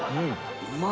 うまい。